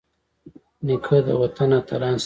نیکه د وطن اتلان ستايي.